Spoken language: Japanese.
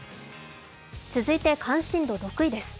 続いて関心度６位です。